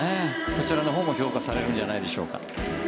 こちらのほうも評価されるんじゃないでしょうか。